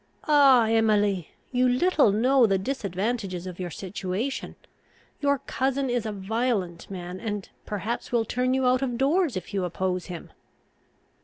"Ah, Emily! you little know the disadvantages of your situation. Your cousin is a violent man, and perhaps will turn you out of doors, if you oppose him."